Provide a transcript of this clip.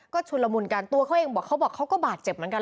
ก็ชุนละมุนกันตัวเขาเองบอกเขาบอกเขาก็บาดเจ็บเหมือนกัน